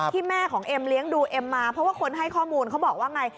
แม่ของเอ็มเลี้ยงดูเอ็มมาเพราะว่าคนให้ข้อมูลเขาบอกว่าไง